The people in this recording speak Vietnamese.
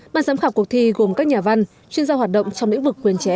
bàn giám khảo cuộc thi gồm các nhà văn chuyên gia hoạt động trong lĩnh vực quyền trẻ em